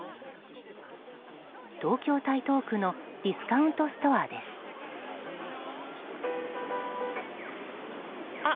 東京・台東区のディスカウントストアでは。